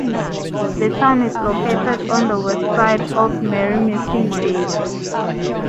The town is located on the west side of Merrymeeting Bay.